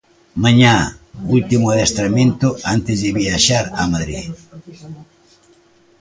Mañá, último adestramento antes de viaxar a Madrid.